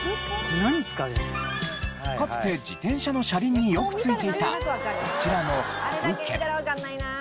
かつて自転車の車輪によくついていたこちらのハブ毛。